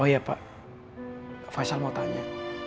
oh ya pak faisal mau tanya